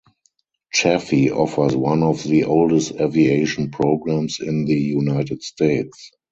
Chaffey offers one of the oldest aviation programs in the United States.